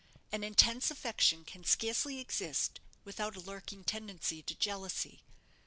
An intense affection can scarcely exist without a lurking tendency to jealousy.